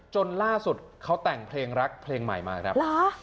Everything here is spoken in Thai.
จนล่าสุดเขาแต่งเพลงรักเพลงใหม่มาครับ